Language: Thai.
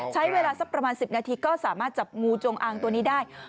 ใช้เวลาสักประมาณ๑๐นาทีก็สามารถจับงูจงอางตัวนี้ได้